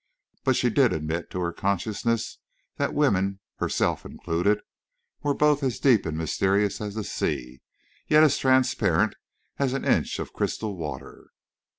But she did admit to her consciousness that women, herself included, were both as deep and mysterious as the sea, yet as transparent as an inch of crystal water.